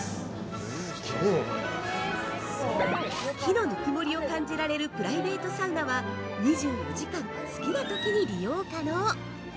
◆木のぬくもりを感じられるプライベートサウナは２４時間、好きなときに利用可能。